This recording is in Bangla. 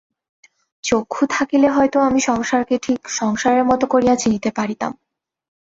চক্ষু থাকিলে আমি হয়তো সংসারকে ঠিক সংসারের মতো করিয়া চিনিতে পারিতাম।